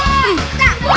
ini kita lihat